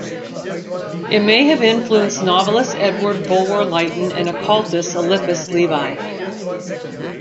It may have influenced novelist Edward Bulwer-Lytton and occultist Eliphas Levi.